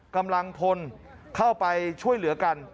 กำลังพลเข้าไปช่วยเหลือกัน